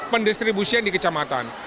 pendistribusian di kecamatan